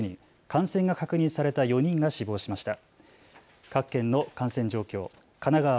感染が確認された４人が死亡しました。